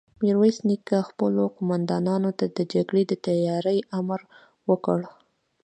ميرويس نيکه خپلو قوماندانانو ته د جګړې د تياري امر وکړ.